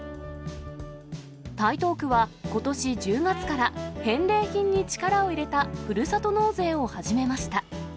台東区はことし１０月から、返礼品に力を入れたふるさと納税を始めました。